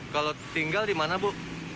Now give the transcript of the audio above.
kalau tinggal di mana bu